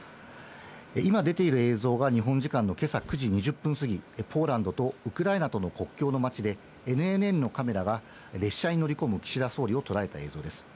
今出ている映像が、日本時間のけさ９時２０分過ぎ、ポーランドとウクライナとの国境の町で、ＮＮＮのカメラが列車に乗り込む岸田総理を捉えた映像です。